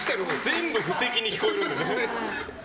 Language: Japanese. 全部布石に聞こえるよ。